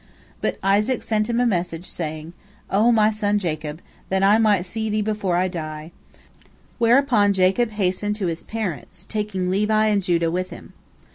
But Isaac sent him a message, saying, "O my son Jacob, that I might see thee before I die," whereupon Jacob hastened to his parents, taking Levi and Judah with him.